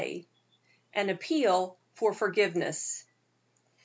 AN APPEAL FOR FORGIVENESS.